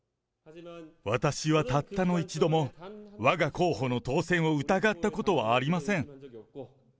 私はたったの一度もわが候補の当選を疑ったことはありません。